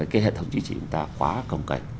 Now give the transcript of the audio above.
cái hệ thống duy trì của chúng ta quá cồng cảnh